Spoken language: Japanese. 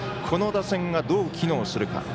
この打線が、どう機能するか。